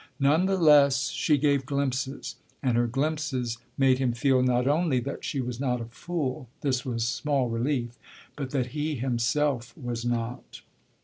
None the less she gave glimpses, and her glimpses made him feel not only that she was not a fool this was small relief but that he himself was not.